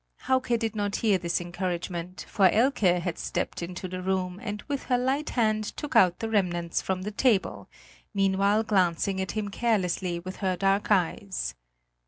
Hauke did not hear this encouragement, for Elke had stepped into the room and with her light hand took out the remnants from the table, meanwhile glancing at him carelessly with her dark eyes.